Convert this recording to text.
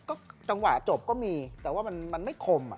ก็จังหวะจบก็มีแต่ว่ามันไม่คม